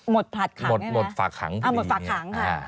หมดผลัดขังใช่ไหมครับหมดฝากขังคดีนี้อ่าหมดฝากขังค่ะ